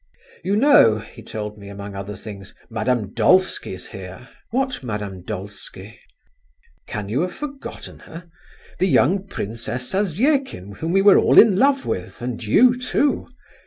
"You know," he told me among other things, "Madame Dolsky's here." "What Madame Dolsky?" "Can you have forgotten her?—the young Princess Zasyekin whom we were all in love with, and you too.